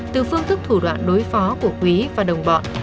từ phương thức thủ đoạn đối phó của quý và đồng bọn